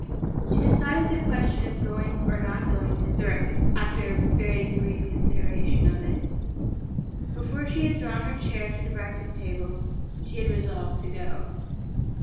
She decided the question of going or not going to Zurich, after a very brief consideration of it. Before she had drawn her chair to the breakfast table she had resolved to go.